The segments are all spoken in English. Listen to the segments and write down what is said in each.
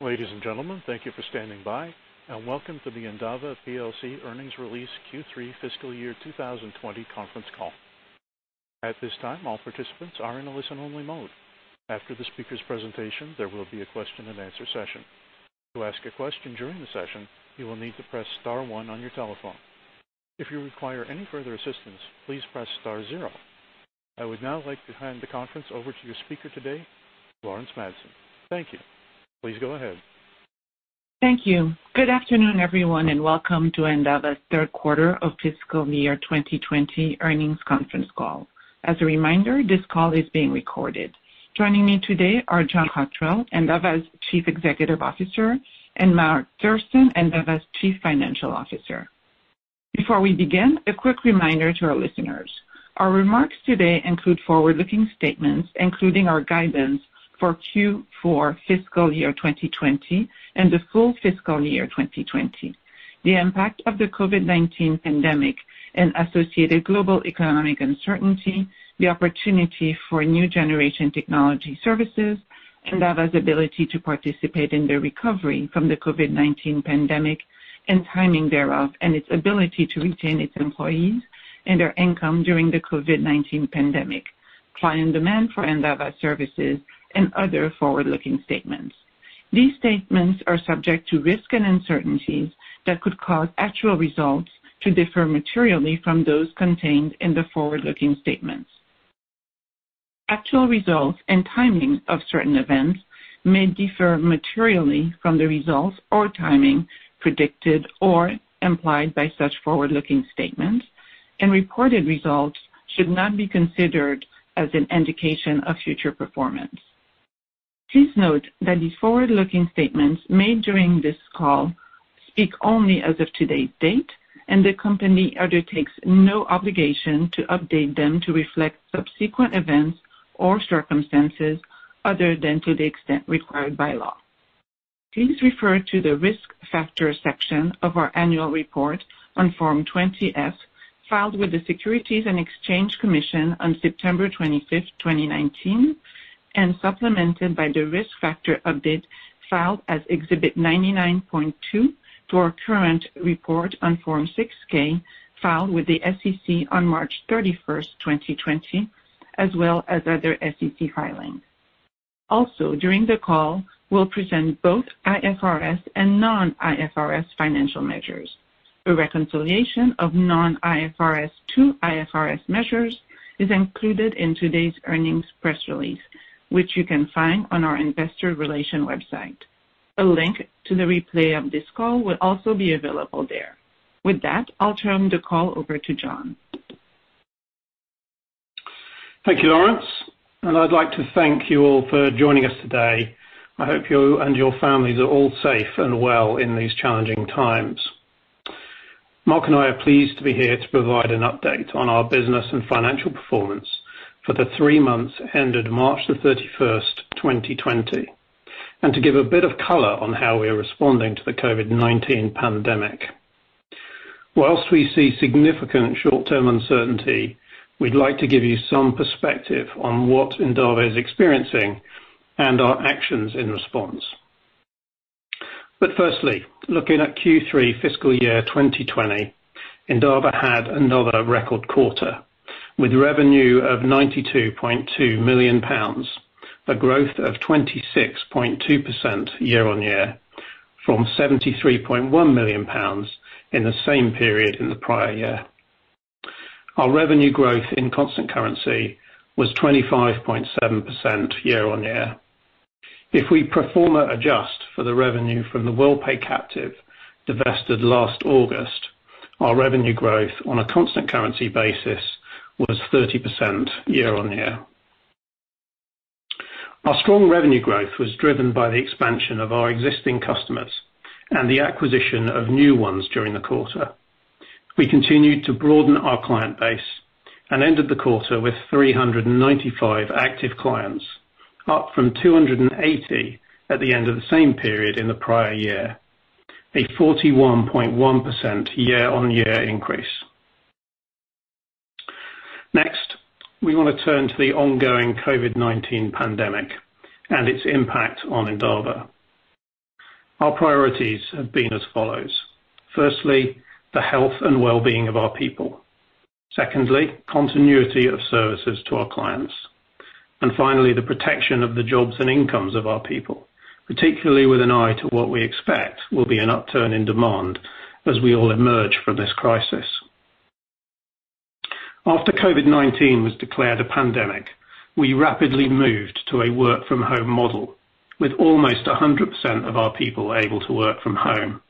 Ladies and gentlemen, thank you for standing by. Welcome to the Endava PLC earnings release Q3 fiscal year 2020 conference call. At this time, all participants are in a listen-only mode. After the speaker's presentation, there will be a question and answer session. To ask a question during the session, you will need to press star one on your telephone. If you require any further assistance, please press star zero. I would now like to hand the conference over to your speaker today, Laurence Madsen. Thank you. Please go ahead. Thank you. Good afternoon, everyone, and welcome to Endava's third quarter of fiscal year 2020 earnings conference call. As a reminder, this call is being recorded. Joining me today are John Cotterell, Endava's Chief Executive Officer, and Mark Thurston, Endava's Chief Financial Officer. Before we begin, a quick reminder to our listeners. Our remarks today include forward-looking statements, including our guidance for Q4 fiscal year 2020 and the full fiscal year 2020. The impact of the COVID-19 pandemic and associated global economic uncertainty, the opportunity for new generation technology services, Endava's ability to participate in the recovery from the COVID-19 pandemic and timing thereof, and its ability to retain its employees and their income during the COVID-19 pandemic, client demand for Endava services, and other forward-looking statements. These statements are subject to risks and uncertainties that could cause actual results to differ materially from those contained in the forward-looking statements. Actual results and timing of certain events may differ materially from the results or timing predicted or implied by such forward-looking statements, and reported results should not be considered as an indication of future performance. Please note that these forward-looking statements made during this call speak only as of today's date, and the company undertakes no obligation to update them to reflect subsequent events or circumstances other than to the extent required by law. Please refer to the Risk Factors section of our annual report on Form 20-F, filed with the Securities and Exchange Commission on September 25th, 2019, and supplemented by the Risk Factor update filed as Exhibit 99.2 to our current report on Form 6-K, filed with the SEC on March 31st, 2020, as well as other SEC filings. During the call, we'll present both IFRS and non-IFRS financial measures. A reconciliation of non-IFRS to IFRS measures is included in today's earnings press release, which you can find on our investor relation website. A link to the replay of this call will also be available there. With that, I'll turn the call over to John. Thank you, Laurence. I'd like to thank you all for joining us today. I hope you and your families are all safe and well in these challenging times. Mark and I are pleased to be here to provide an update on our business and financial performance for the three months ended March the 31st, 2020, and to give a bit of color on how we are responding to the COVID-19 pandemic. Whilst we see significant short-term uncertainty, we'd like to give you some perspective on what Endava is experiencing and our actions in response. Firstly, looking at Q3 fiscal year 2020, Endava had another record quarter, with revenue of 92.2 million pounds, a growth of 26.2% year on year from 73.1 million pounds in the same period in the prior year. Our revenue growth in constant currency was 25.7% year on year. If we pro forma adjust for the revenue from the Worldpay captive divested last August, our revenue growth on a constant currency basis was 30% year-on-year. Our strong revenue growth was driven by the expansion of our existing customers and the acquisition of new ones during the quarter. We continued to broaden our client base and ended the quarter with 395 active clients, up from 280 at the end of the same period in the prior year, a 41.1% year-on-year increase. We want to turn to the ongoing COVID-19 pandemic and its impact on Endava. Our priorities have been as follows. Firstly, the health and well-being of our people. Secondly, continuity of services to our clients. Finally, the protection of the jobs and incomes of our people, particularly with an eye to what we expect will be an upturn in demand as we all emerge from this crisis. After COVID-19 was declared a pandemic, we rapidly moved to a work from home model, with almost 100% of our people able to work from home,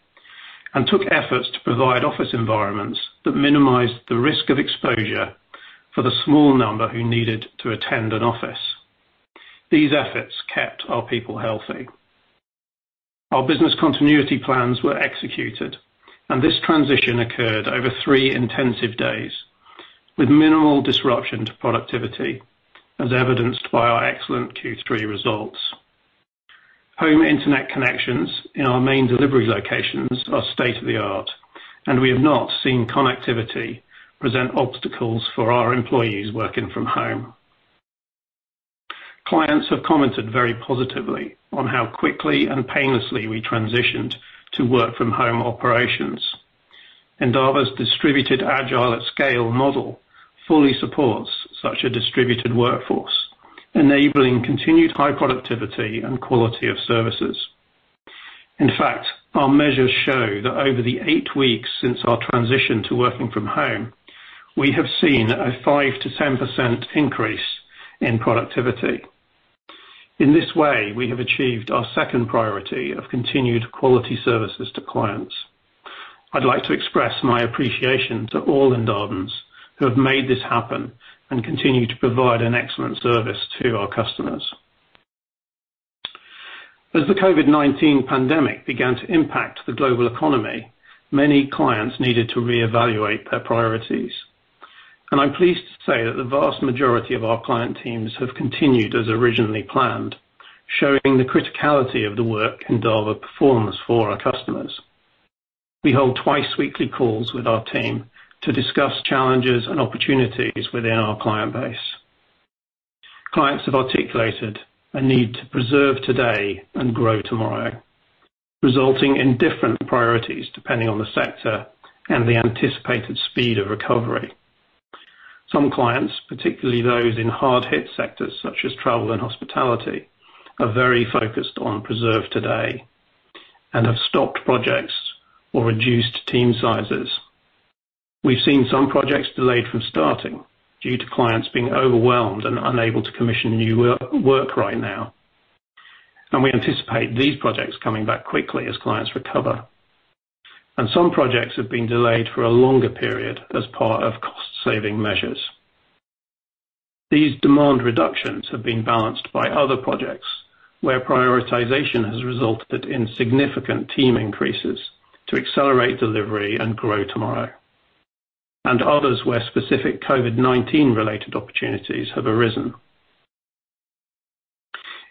and took efforts to provide office environments that minimized the risk of exposure for the small number who needed to attend an office. These efforts kept our people healthy. Our business continuity plans were executed, this transition occurred over three intensive days, with minimal disruption to productivity, as evidenced by our excellent Q3 results. Home internet connections in our main delivery locations are state-of-the-art, and we have not seen connectivity present obstacles for our employees working from home. Clients have commented very positively on how quickly and painlessly we transitioned to work-from-home operations. Endava's distributed agile at scale model fully supports such a distributed workforce, enabling continued high productivity and quality of services. In fact, our measures show that over the eight weeks since our transition to working from home, we have seen a 5%-10% increase in productivity. In this way, we have achieved our second priority of continued quality services to clients. I'd like to express my appreciation to all Endavans who have made this happen and continue to provide an excellent service to our customers. As the COVID-19 pandemic began to impact the global economy, many clients needed to reevaluate their priorities. I'm pleased to say that the vast majority of our client teams have continued as originally planned, showing the criticality of the work Endava performs for our customers. We hold twice weekly calls with our team to discuss challenges and opportunities within our client base. Clients have articulated a need to preserve today and grow tomorrow, resulting in different priorities depending on the sector and the anticipated speed of recovery. Some clients, particularly those in hard-hit sectors such as travel and hospitality, are very focused on preserve today and have stopped projects or reduced team sizes. We've seen some projects delayed from starting due to clients being overwhelmed and unable to commission new work right now. We anticipate these projects coming back quickly as clients recover. Some projects have been delayed for a longer period as part of cost-saving measures. These demand reductions have been balanced by other projects, where prioritization has resulted in significant team increases to accelerate delivery and grow tomorrow, and others where specific COVID-19 related opportunities have arisen.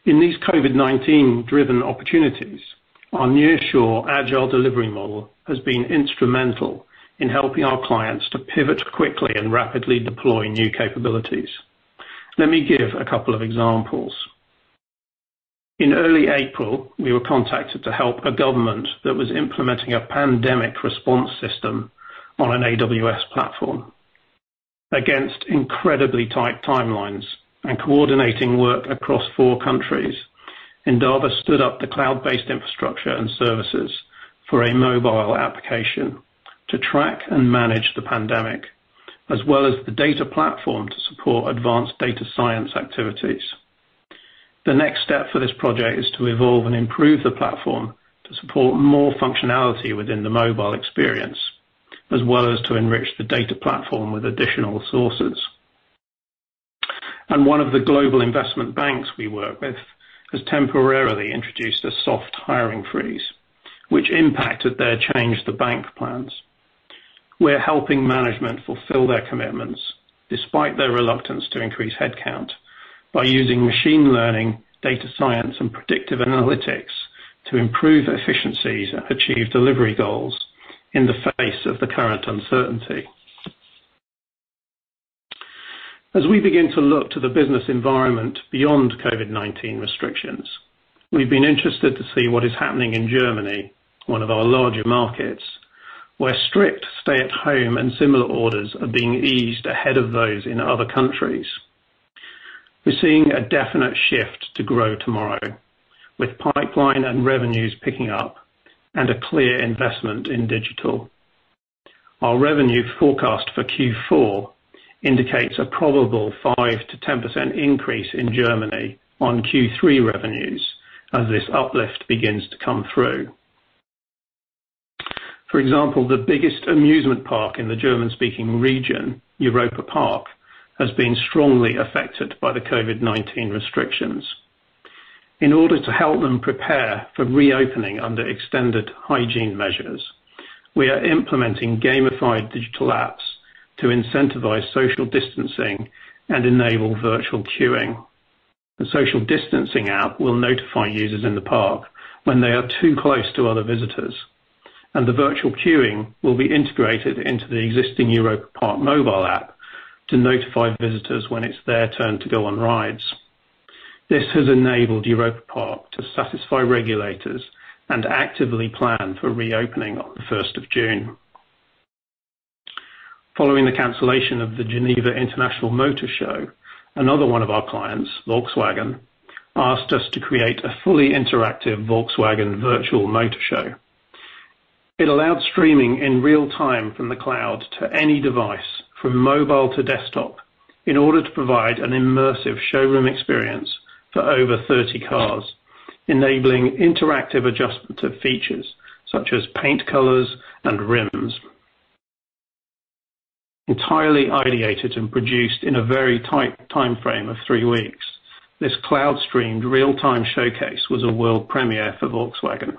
In these COVID-19 driven opportunities, our nearshore agile delivery model has been instrumental in helping our clients to pivot quickly and rapidly deploy new capabilities. Let me give a couple of examples. In early April, we were contacted to help a government that was implementing a pandemic response system on an AWS platform. Against incredibly tight timelines and coordinating work across four countries, Endava stood up the cloud-based infrastructure and services for a mobile application to track and manage the pandemic, as well as the data platform to support advanced data science activities. The next step for this project is to evolve and improve the platform to support more functionality within the mobile experience, as well as to enrich the data platform with additional sources. One of the global investment banks we work with has temporarily introduced a soft hiring freeze, which impacted their Change the Bank plans. We're helping management fulfill their commitments despite their reluctance to increase headcount by using machine learning, data science, and predictive analytics to improve efficiencies and achieve delivery goals in the face of the current uncertainty. As we begin to look to the business environment beyond COVID-19 restrictions, we've been interested to see what is happening in Germany, one of our larger markets, where strict stay-at-home and similar orders are being eased ahead of those in other countries. We're seeing a definite shift to grow tomorrow with pipeline and revenues picking up and a clear investment in digital. Our revenue forecast for Q4 indicates a probable 5%-10% increase in Germany on Q3 revenues as this uplift begins to come through. For example, the biggest amusement park in the German-speaking region, Europa-Park, has been strongly affected by the COVID-19 restrictions. In order to help them prepare for reopening under extended hygiene measures, we are implementing gamified digital apps to incentivize social distancing and enable virtual queuing. The social distancing app will notify users in the park when they are too close to other visitors, and the virtual queuing will be integrated into the existing Europa-Park mobile app to notify visitors when it's their turn to go on rides. This has enabled Europa-Park to satisfy regulators and actively plan for reopening on the 1st of June. Following the cancellation of the Geneva International Motor Show, another one of our clients, Volkswagen, asked us to create a fully interactive Volkswagen virtual motor show. It allowed streaming in real time from the cloud to any device, from mobile to desktop, in order to provide an immersive showroom experience for over 30 cars, enabling interactive adjustment of features such as paint colors and rims. Entirely ideated and produced in a very tight timeframe of three weeks, this cloud-streamed real-time showcase was a world premiere for Volkswagen.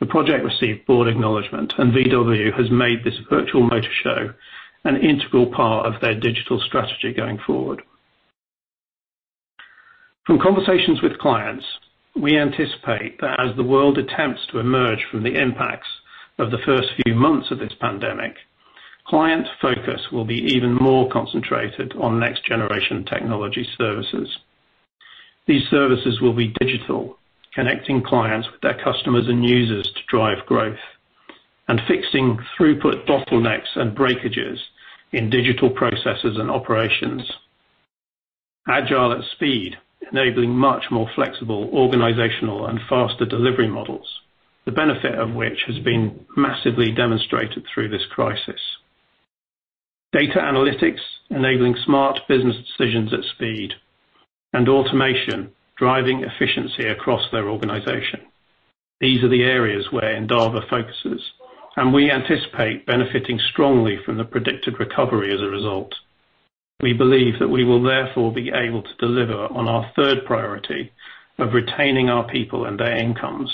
The project received board acknowledgment, and VW has made this virtual motor show an integral part of their digital strategy going forward. From conversations with clients, we anticipate that as the world attempts to emerge from the impacts of the first few months of this pandemic, client focus will be even more concentrated on next-generation technology services. These services will be digital, connecting clients with their customers and users to drive growth, and fixing throughput bottlenecks and breakages in digital processes and operations. Agile at speed, enabling much more flexible organizational and faster delivery models, the benefit of which has been massively demonstrated through this crisis. Data analytics enabling smart business decisions at speed, and automation driving efficiency across their organization. These are the areas where Endava focuses and we anticipate benefiting strongly from the predicted recovery as a result. We believe that we will therefore be able to deliver on our third priority of retaining our people and their incomes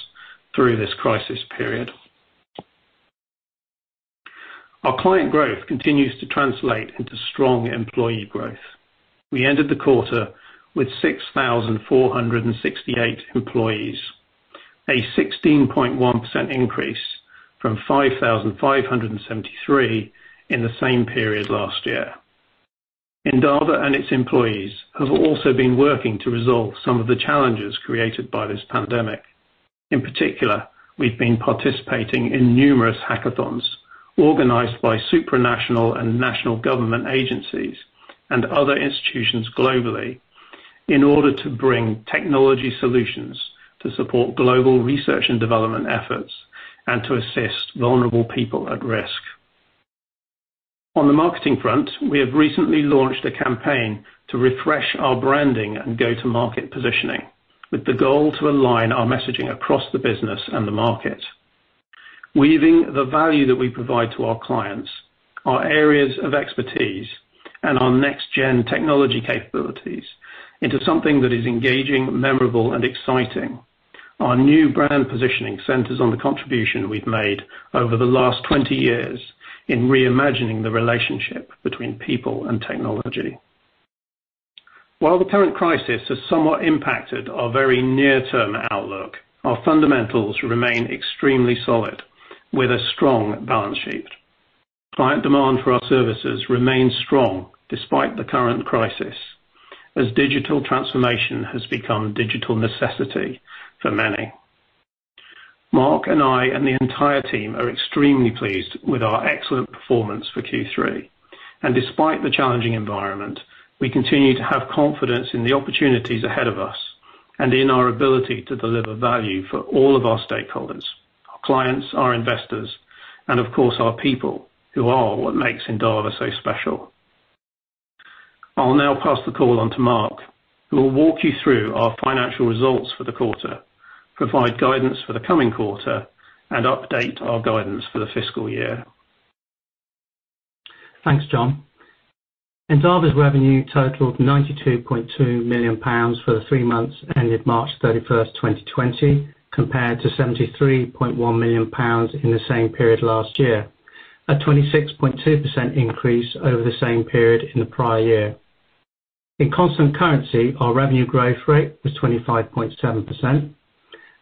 through this crisis period. Our client growth continues to translate into strong employee growth. We ended the quarter with 6,468 employees, a 16.1% increase from 5,573 in the same period last year. Endava and its employees have also been working to resolve some of the challenges created by this pandemic. In particular, we've been participating in numerous hackathons organized by supranational and national government agencies and other institutions globally in order to bring technology solutions to support global research and development efforts, and to assist vulnerable people at risk. On the marketing front, we have recently launched a campaign to refresh our branding and go-to-market positioning with the goal to align our messaging across the business and the market. Weaving the value that we provide to our clients, our areas of expertise, and our next-gen technology capabilities into something that is engaging, memorable, and exciting. Our new brand positioning centers on the contribution we've made over the last 20 years in reimagining the relationship between people and technology. While the current crisis has somewhat impacted our very near-term outlook, our fundamentals remain extremely solid, with a strong balance sheet. Client demand for our services remains strong despite the current crisis, as digital transformation has become digital necessity for many. Mark and I and the entire team are extremely pleased with our excellent performance for Q3. Despite the challenging environment, we continue to have confidence in the opportunities ahead of us and in our ability to deliver value for all of our stakeholders, our clients, our investors, and of course, our people, who are what makes Endava so special. I will now pass the call on to Mark, who will walk you through our financial results for the quarter, provide guidance for the coming quarter, and update our guidance for the fiscal year. Thanks, John. Endava's revenue totaled GBP 92.2 million for the three months ended March 31st, 2020, compared to 73.1 million pounds in the same period last year, a 26.2% increase over the same period in the prior year. In constant currency, our revenue growth rate was 25.7%.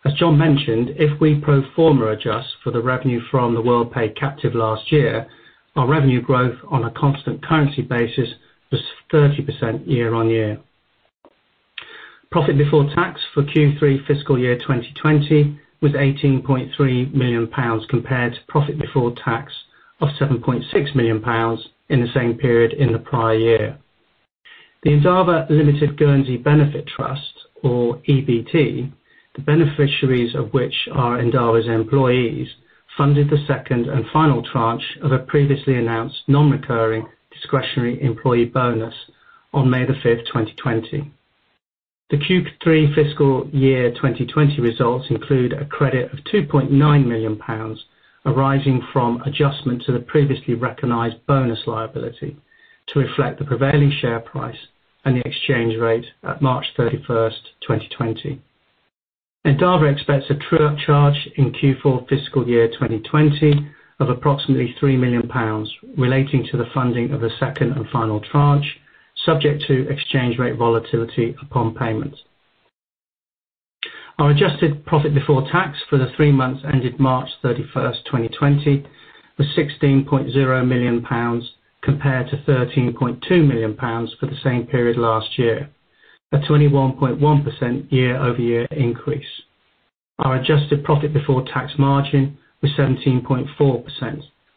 As John mentioned, if we pro forma adjust for the revenue from the Worldpay captive last year, our revenue growth on a constant currency basis was 30% year on year. Profit before tax for Q3 fiscal year 2020 was 18.3 million pounds, compared to profit before tax of 7.6 million pounds in the same period in the prior year. The Endava Limited Guernsey Benefit Trust or EBT, the beneficiaries of which are Endava's employees, funded the second and final tranche of a previously announced non-recurring discretionary employee bonus on May the 5th, 2020. The Q3 fiscal year 2020 results include a credit of 2.9 million pounds, arising from adjustment to the previously recognized bonus liability to reflect the prevailing share price and the exchange rate at March 31st, 2020. Endava expects a true-up charge in Q4 fiscal year 2020 of approximately 3 million pounds relating to the funding of the second and final tranche, subject to exchange rate volatility upon payment. Our adjusted profit before tax for the three months ended March 31st, 2020 was GBP 16.0 million, compared to GBP 13.2 million for the same period last year, a 21.1% year-over-year increase. Our adjusted profit before tax margin was 17.4%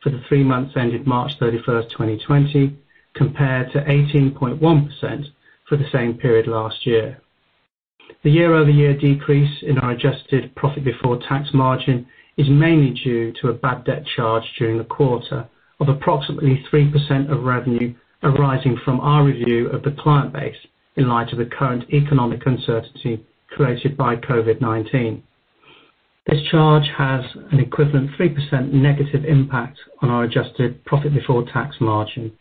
for the three months ended March 31st, 2020, compared to 18.1% for the same period last year. The year-over-year decrease in our adjusted profit before tax margin is mainly due to a bad debt charge during the quarter of approximately 3% of revenue arising from our review of the client base in light of the current economic uncertainty created by COVID-19. This charge has an equivalent 3% negative impact on our adjusted profit before tax margin.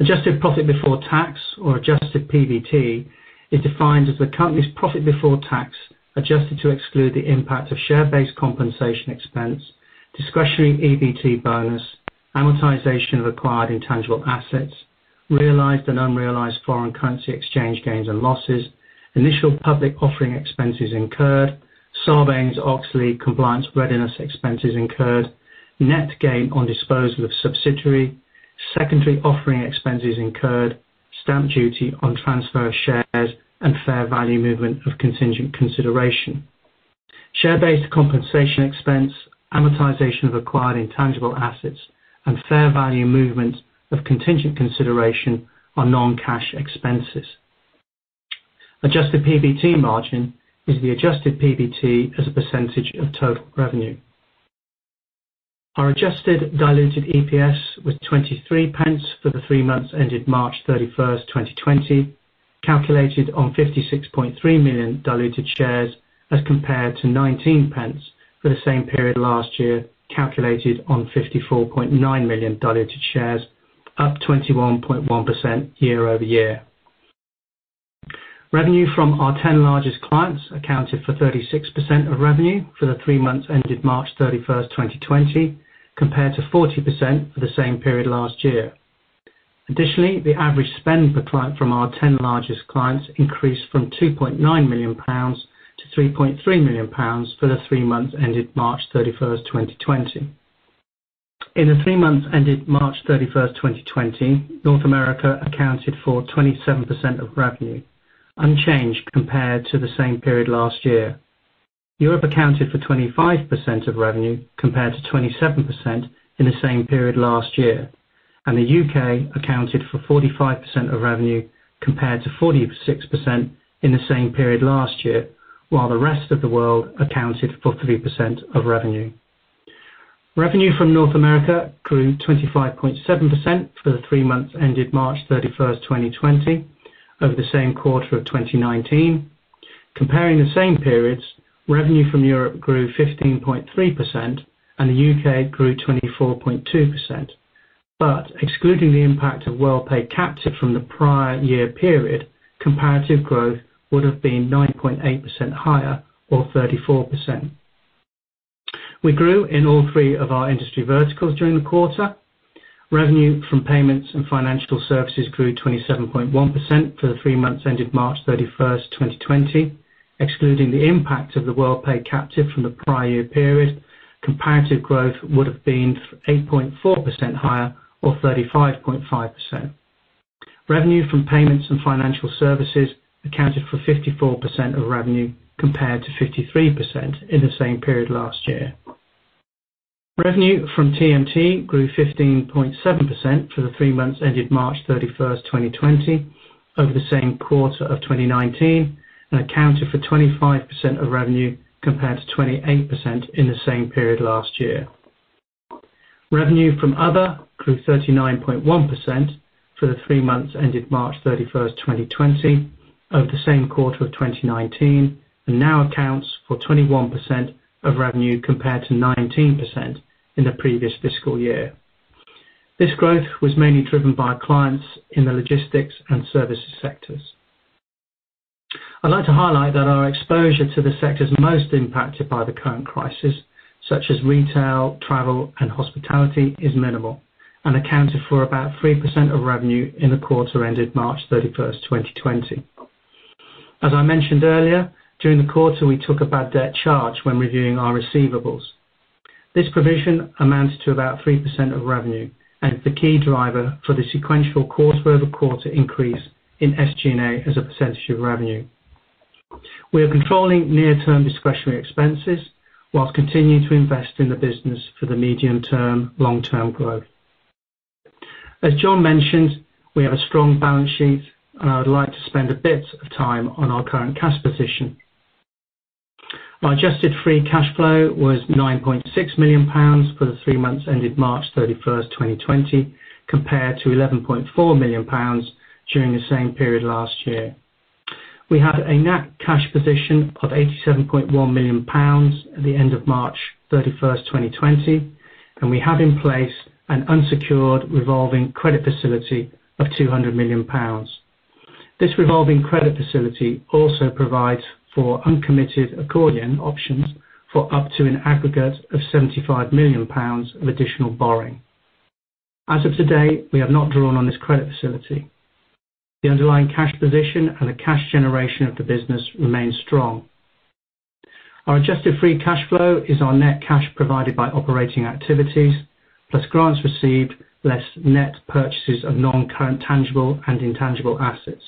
Adjusted profit before tax, or adjusted PBT, is defined as the company's profit before tax, adjusted to exclude the impact of share-based compensation expense, discretionary PBT bonus, amortization of acquired intangible assets, realized and unrealized foreign currency exchange gains and losses, initial public offering expenses incurred, Sarbanes-Oxley compliance readiness expenses incurred, net gain on disposal of subsidiary, secondary offering expenses incurred, stamp duty on transfer of shares, and fair value movement of contingent consideration. Share-based compensation expense, amortization of acquired intangible assets, and fair value movement of contingent consideration are non-cash expenses. adjusted PBT margin is the adjusted PBT as a % of total revenue. Our adjusted diluted EPS was 0.23 for the three months ended March 31st, 2020, calculated on 56.3 million diluted shares, as compared to 0.19 for the same period last year, calculated on 54.9 million diluted shares, up 21.1% year-over-year. Revenue from our 10 largest clients accounted for 36% of revenue for the three months ended March 31st, 2020, compared to 40% for the same period last year. Additionally, the average spend per client from our 10 largest clients increased from 2.9 million pounds to 3.3 million pounds for the three months ended March 31st, 2020. In the three months ended March 31st, 2020, North America accounted for 27% of revenue, unchanged compared to the same period last year. Europe accounted for 25% of revenue, compared to 27% in the same period last year, and the U.K. accounted for 45% of revenue, compared to 46% in the same period last year, while the rest of the world accounted for 3% of revenue. Revenue from North America grew 25.7% for the three months ended March 31st, 2020, over the same quarter of 2019. Comparing the same periods, revenue from Europe grew 15.3% and the U.K. grew 24.2%. Excluding the impact of Worldpay Captive from the prior year period, comparative growth would've been 9.8% higher or 34%. We grew in all three of our industry verticals during the quarter. Revenue from payments and financial services grew 27.1% for the three months ended March 31st, 2020. Excluding the impact of the Worldpay Captive from the prior year period, comparative growth would've been 8.4% higher or 35.5%. Revenue from payments and financial services accounted for 54% of revenue, compared to 53% in the same period last year. Revenue from TMT grew 15.7% for the three months ended March 31st, 2020, over the same quarter of 2019, and accounted for 25% of revenue, compared to 28% in the same period last year. Revenue from other grew 39.1% for the three months ended March 31st, 2020, over the same quarter of 2019, and now accounts for 21% of revenue, compared to 19% in the previous fiscal year. This growth was mainly driven by clients in the logistics and services sectors. I'd like to highlight that our exposure to the sectors most impacted by the current crisis, such as retail, travel, and hospitality, is minimal and accounted for about 3% of revenue in the quarter ended March 31st, 2020. As I mentioned earlier, during the quarter, we took a bad debt charge when reviewing our receivables. This provision amounts to about 3% of revenue and is the key driver for the sequential quarter-over-quarter increase in SG&A as a percentage of revenue. We are controlling near-term discretionary expenses whilst continuing to invest in the business for the medium-term, long-term growth. As John mentioned, we have a strong balance sheet, and I would like to spend a bit of time on our current cash position. Our adjusted free cash flow was 9.6 million pounds for the three months ended March 31st, 2020, compared to 11.4 million pounds during the same period last year. We had a net cash position of 87.1 million pounds at the end of March 31st, 2020, and we have in place an unsecured revolving credit facility of 200 million pounds. This revolving credit facility also provides for uncommitted accordion options for up to an aggregate of 75 million pounds of additional borrowing. As of today, we have not drawn on this credit facility. The underlying cash position and the cash generation of the business remains strong. Our adjusted free cash flow is our net cash provided by operating activities, plus grants received, less net purchases of non-current tangible and intangible assets.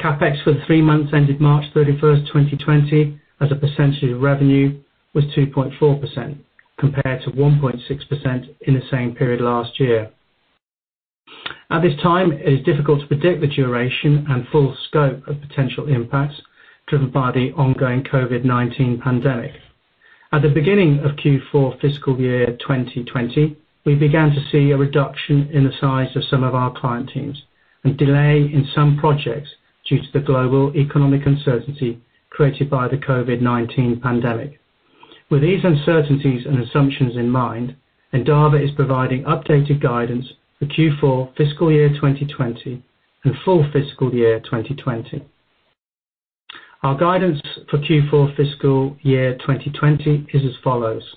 CapEx for the three months ended March 31st, 2020, as a percentage of revenue, was 2.4% compared to 1.6% in the same period last year. At this time, it is difficult to predict the duration and full scope of potential impacts driven by the ongoing COVID-19 pandemic. At the beginning of Q4 fiscal year 2020, we began to see a reduction in the size of some of our client teams and delay in some projects due to the global economic uncertainty created by the COVID-19 pandemic. With these uncertainties and assumptions in mind, Endava is providing updated guidance for Q4 fiscal year 2020 and full fiscal year 2020. Our guidance for Q4 fiscal year 2020 is as follows.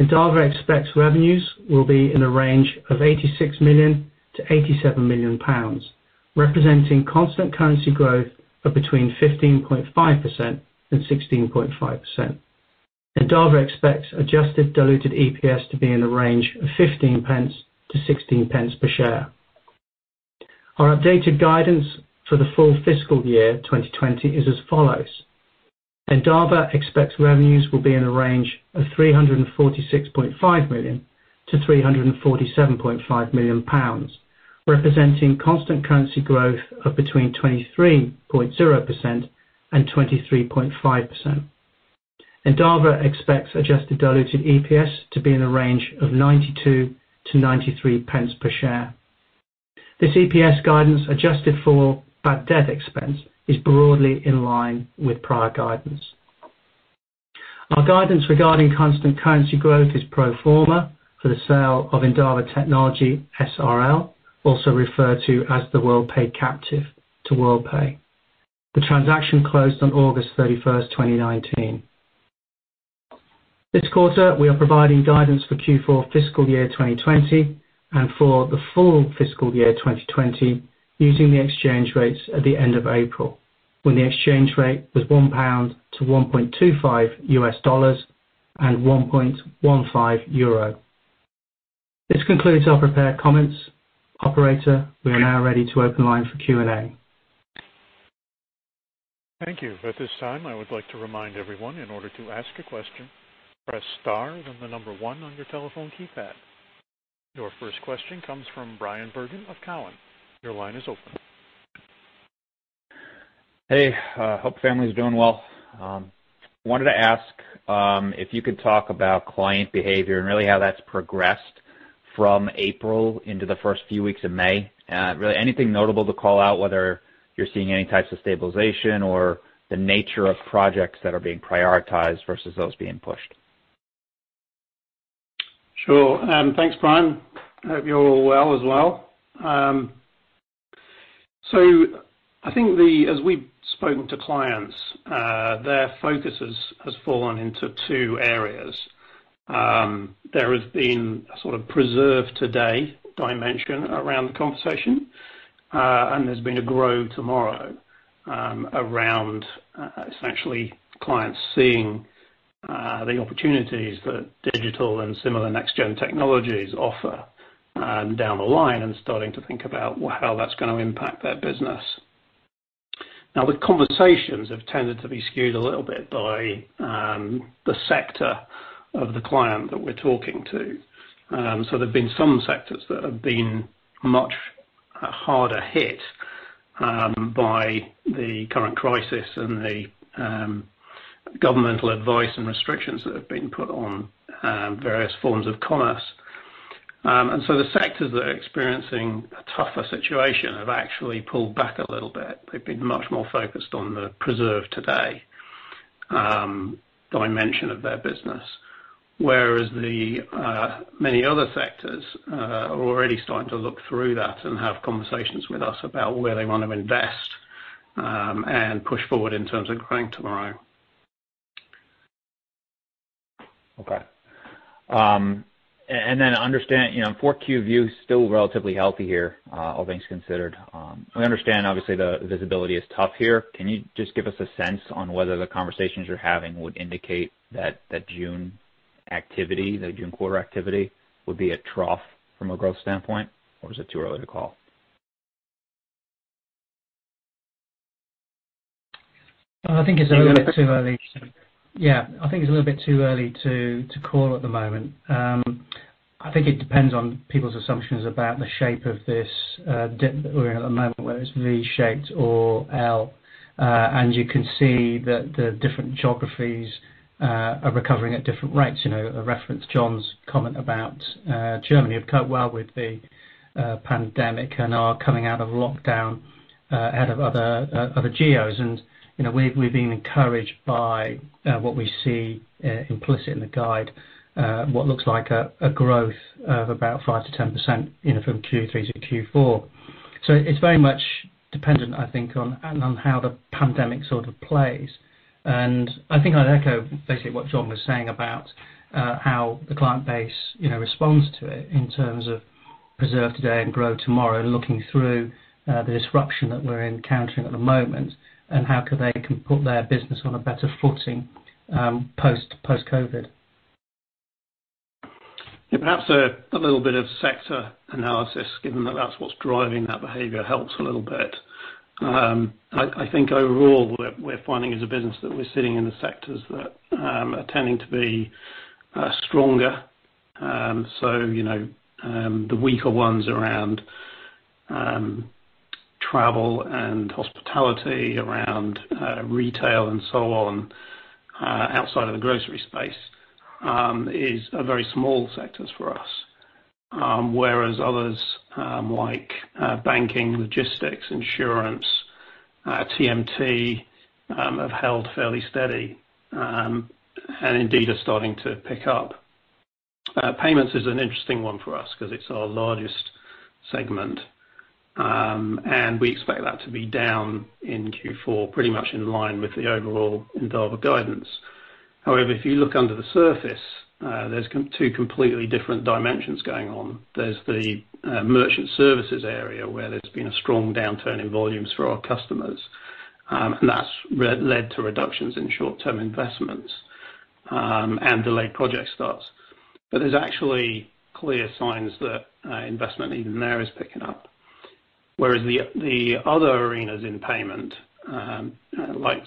Endava expects revenues will be in the range of 86 million-87 million pounds, representing constant currency growth of between 15.5%-16.5%. Endava expects adjusted diluted EPS to be in the range of 0.15 to 0.16 per share. Our updated guidance for the full fiscal year 2020 is as follows. Endava expects revenues will be in the range of 346.5 million-347.5 million pounds, representing constant currency growth of between 23.0%-23.5%. Endava expects adjusted diluted EPS to be in the range of 0.92-0.93 per share. This EPS guidance, adjusted for bad debt expense, is broadly in line with prior guidance. Our guidance regarding constant currency growth is pro forma for the sale of Endava Technology SRL, also referred to as the Worldpay captive to Worldpay. The transaction closed on August 31, 2019. This quarter, we are providing guidance for Q4 fiscal year 2020 and for the full fiscal year 2020 using the exchange rates at the end of April, when the exchange rate was 1 pound to $1.25 and 1.15 euro. This concludes our prepared comments. Operator, we are now ready to open the line for Q&A. Thank you. At this time, I would like to remind everyone, in order to ask a question, press star then the number 1 on your telephone keypad. Your first question comes from Bryan Bergin of Cowen. Your line is open. Hey, hope the family is doing well. Wanted to ask if you could talk about client behavior and really how that's progressed from April into the first few weeks of May. Really anything notable to call out, whether you're seeing any types of stabilization or the nature of projects that are being prioritized versus those being pushed. Sure. Thanks, Bryan. I hope you're all well as well. I think as we've spoken to clients, their focus has fallen into two areas. There has been a sort of preserve today dimension around the conversation, and there's been a grow tomorrow, around essentially clients seeing the opportunities that digital and similar next-gen technologies offer down the line and starting to think about how that's going to impact their business. The conversations have tended to be skewed a little bit by the sector of the client that we're talking to. There have been some sectors that have been much harder hit by the current crisis and the governmental advice and restrictions that have been put on various forms of commerce. The sectors that are experiencing a tougher situation have actually pulled back a little bit. They've been much more focused on the preserve today dimension of their business. Whereas many other sectors are already starting to look through that and have conversations with us about where they want to invest and push forward in terms of growing tomorrow. Okay. Understand 4Q view is still relatively healthy here, all things considered. We understand, obviously, the visibility is tough here. Can you just give us a sense on whether the conversations you're having would indicate that the June quarter activity would be a trough from a growth standpoint, or is it too early to call? I think it's a little bit too early. Yeah, I think it's a little bit too early to call at the moment. I think it depends on people's assumptions about the shape of this dip that we're in at the moment, whether it's V-shaped or L. You can see that the different geographies are recovering at different rates. A reference to John's comment about Germany, have coped well with the pandemic and are coming out of lockdown ahead of other geos. We've been encouraged by what we see implicit in the guide, what looks like a growth of about 5%-10% from Q3 to Q4. It's very much dependent, I think, on how the pandemic sort of plays. I think I'd echo basically what John was saying about how the client base responds to it in terms of preserve today and grow tomorrow, looking through the disruption that we're encountering at the moment and how they can put their business on a better footing, post-COVID. Yeah, perhaps a little bit of sector analysis, given that that's what's driving that behavior helps a little bit. I think overall, we're finding as a business that we're sitting in the sectors that are tending to be stronger. The weaker ones around travel and hospitality, around retail and so on, outside of the grocery space, are very small sectors for us. Whereas others, like banking, logistics, insurance, TMT, have held fairly steady, and indeed are starting to pick up. Payments is an interesting one for us because it's our largest segment. We expect that to be down in Q4, pretty much in line with the overall Endava guidance. However, if you look under the surface, there's two completely different dimensions going on. There's the merchant services area where there's been a strong downturn in volumes for our customers, and that's led to reductions in short-term investments, and delayed project starts. There's actually clear signs that investment even there is picking up. Whereas the other arenas in payment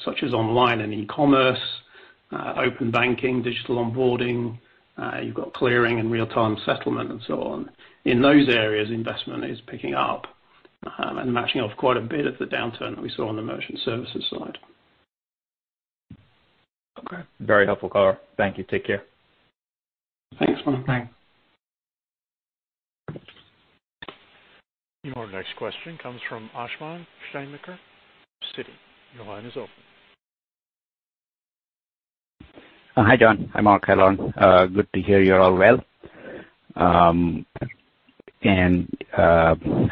such as online and e-commerce, open banking, digital onboarding, you've got clearing and real-time settlement and so on. In those areas, investment is picking up and matching off quite a bit of the downturn we saw on the merchant services side. Okay. Very helpful call. Thank you. Take care. Thanks, Mark. Bye. Your next question comes from Ashwin Shirvaikar, Citi. Your line is open. Hi, John. Hi, Mark. Hi, Laurence. Good to hear you're all well. I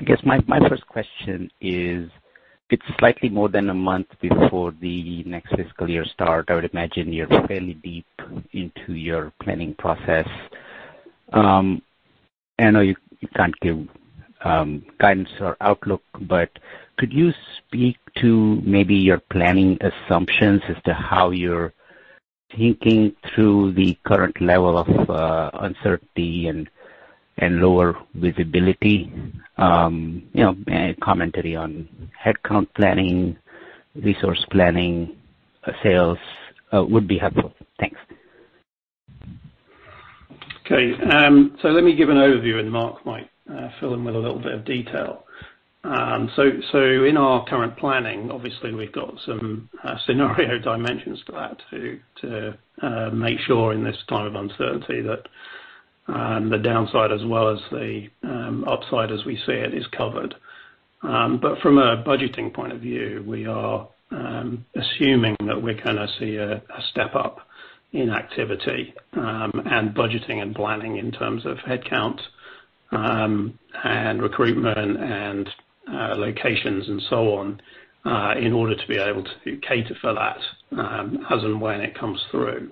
guess my first question is, it's slightly more than a month before the next fiscal year start. I would imagine you're fairly deep into your planning process. I know you can't give guidance or outlook, but could you speak to maybe your planning assumptions as to how you're thinking through the current level of uncertainty and lower visibility? Any commentary on headcount planning, resource planning, sales would be helpful. Thanks. Let me give an overview, and Mark might fill in with a little bit of detail. In our current planning, obviously we've got some scenario dimensions for that to make sure in this time of uncertainty that the downside as well as the upside as we see it is covered. From a budgeting point of view, we are assuming that we're going to see a step-up in activity, and budgeting and planning in terms of headcount, and recruitment and locations and so on in order to be able to cater for that as and when it comes through.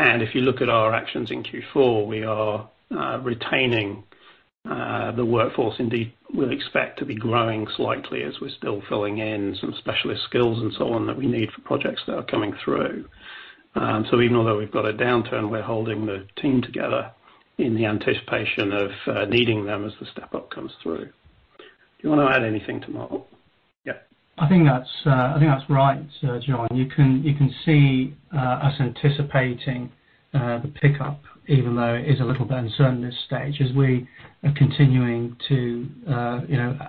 If you look at our actions in Q4, we are retaining the workforce. Indeed, we'll expect to be growing slightly as we're still filling in some specialist skills and so on that we need for projects that are coming through. Even although we've got a downturn, we're holding the team together in the anticipation of needing them as the step-up comes through. Do you want to add anything to Mark? Yeah. I think that's right, John. You can see us anticipating the pickup, even though it is a little bit uncertain at this stage as we are continuing to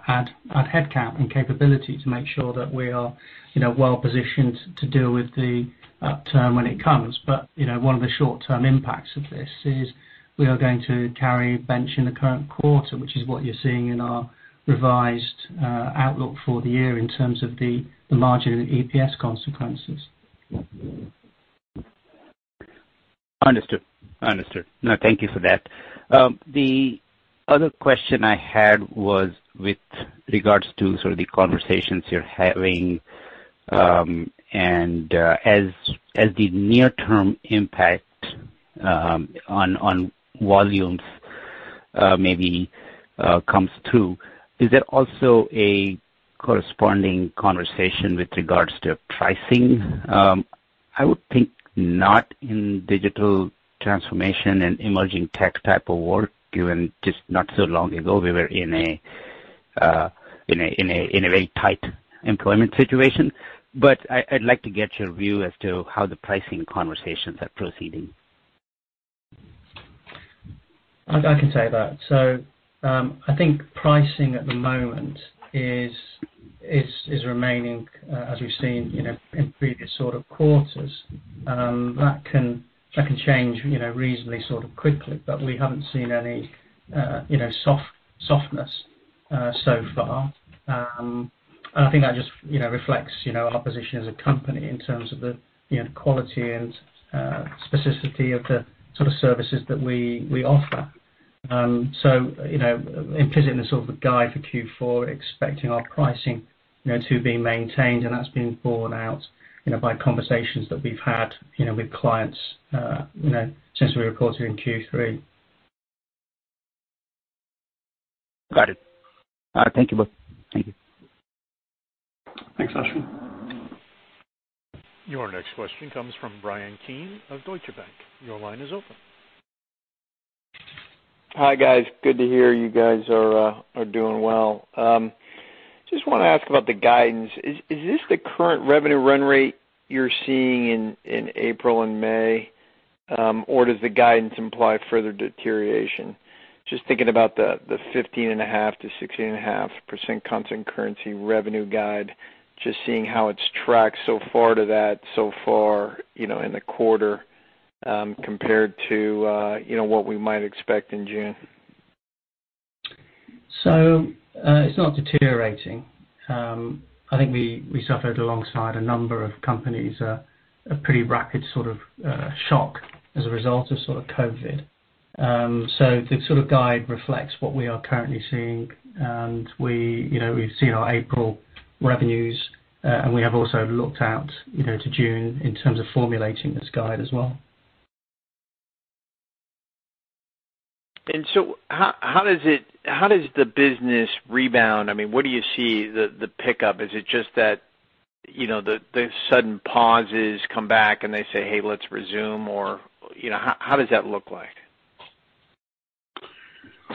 add headcount and capability to make sure that we are well-positioned to deal with the upturn when it comes. One of the short-term impacts of this is we are going to carry a bench in the current quarter, which is what you're seeing in our revised outlook for the year in terms of the margin and EPS consequences. Understood. No, thank you for that. The other question I had was with regards to sort of the conversations you're having, and as the near-term impact on volumes maybe comes through, is there also a corresponding conversation with regards to pricing? I would think not in digital transformation and emerging tech type of work, given just not so long ago we were in a very tight employment situation. I'd like to get your view as to how the pricing conversations are proceeding. I can take that. I think pricing at the moment is remaining as we've seen in previous sort of quarters. That can change reasonably sort of quickly, but we haven't seen any softness so far. I think that just reflects our position as a company in terms of the quality and specificity of the sort of services that we offer. Implicit in the sort of the guide for Q4, expecting our pricing to be maintained, and that's been borne out by conversations that we've had with clients since we recorded in Q3. Got it. All right. Thank you both. Thank you. Thanks, Ashwin. Your next question comes from Bryan Keane of Deutsche Bank. Your line is open. Hi, guys. Good to hear you guys are doing well. I just want to ask about the guidance. Is this the current revenue run rate you're seeing in April and May, or does the guidance imply further deterioration? Just thinking about the 15.5%-16.5% constant currency revenue guide, just seeing how it's tracked so far to that so far in the quarter compared to what we might expect in June. It's not deteriorating. I think we suffered alongside a number of companies, a pretty rapid sort of shock as a result of COVID. The guide reflects what we are currently seeing and we've seen our April revenues, and we have also looked out to June in terms of formulating this guide as well. How does the business rebound? What do you see the pickup? Is it just that the sudden pauses come back and they say, "Hey, let's resume," or how does that look like?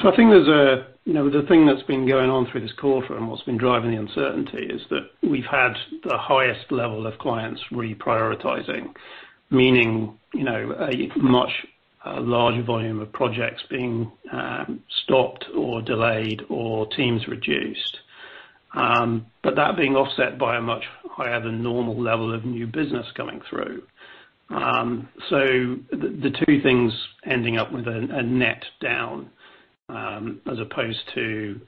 The thing that's been going on through this quarter and what's been driving the uncertainty is that we've had the highest level of clients reprioritizing, meaning, a much larger volume of projects being stopped or delayed or teams reduced. That being offset by a much higher than normal level of new business coming through. The two things ending up with a net down, as opposed to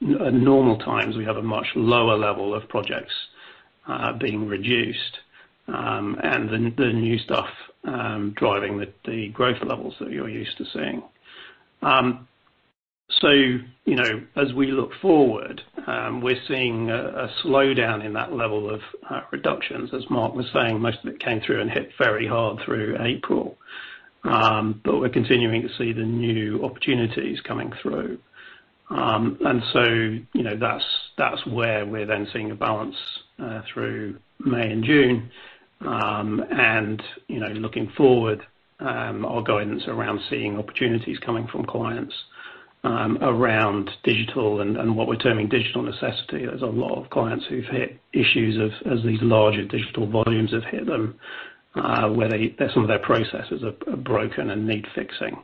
normal times, we have a much lower level of projects being reduced, and the new stuff, driving the growth levels that you're used to seeing. As we look forward, we're seeing a slowdown in that level of reductions. As Mark was saying, most of it came through and hit very hard through April. We're continuing to see the new opportunities coming through. That's where we're seeing a balance through May and June. Looking forward, our guidance around seeing opportunities coming from clients around digital and what we're terming digital necessity. There's a lot of clients who've hit issues as these larger digital volumes have hit them, where some of their processes are broken and need fixing.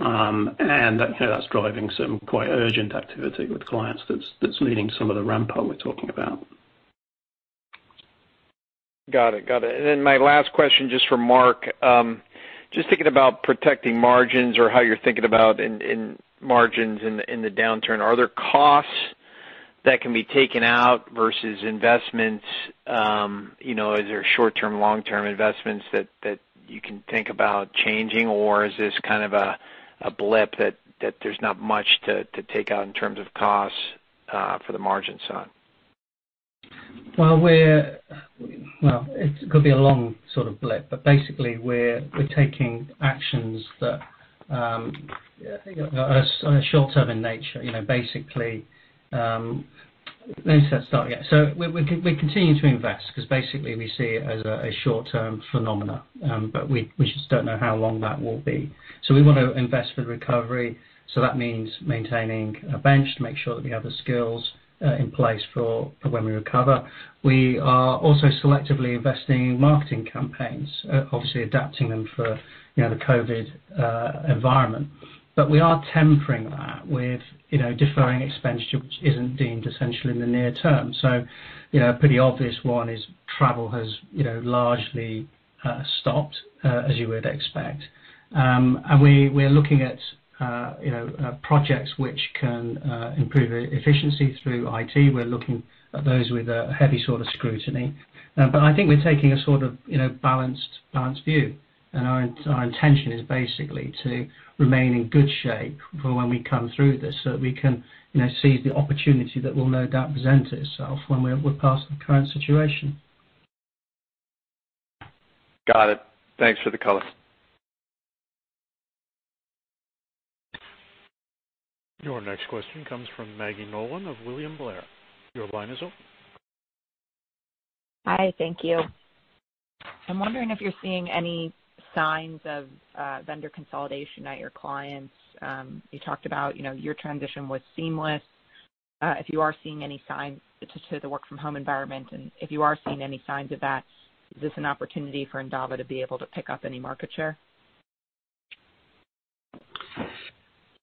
That's driving some quite urgent activity with clients that's leading some of the ramp up we're talking about. Got it. My last question, just for Mark. Just thinking about protecting margins or how you're thinking about margins in the downturn, are there costs that can be taken out versus investments? Is there short-term, long-term investments that you can think about changing, or is this kind of a blip that there's not much to take out in terms of costs for the margin side? Well, it could be a long sort of blip, basically we're taking actions that are short-term in nature. We continue to invest because basically we see it as a short-term phenomenon. We just don't know how long that will be. We want to invest for the recovery, so that means maintaining a bench to make sure that we have the skills in place for when we recover. We are also selectively investing in marketing campaigns, obviously adapting them for the COVID environment. We are tempering that with deferring expenditure which isn't deemed essential in the near term. Pretty obvious one is travel has largely stopped, as you would expect. We're looking at projects which can improve efficiency through IT. We're looking at those with a heavy sort of scrutiny. I think we're taking a sort of balanced view, and our intention is basically to remain in good shape for when we come through this so that we can seize the opportunity that will no doubt present itself when we're past the current situation. Got it. Thanks for the color. Your next question comes from Maggie Nolan of William Blair. Your line is open. Hi, thank you. I'm wondering if you're seeing any signs of vendor consolidation at your clients. You talked about your transition was seamless. If you are seeing any signs to the work from home environment, and if you are seeing any signs of that, is this an opportunity for Endava to be able to pick up any market share?